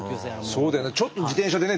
そうだよね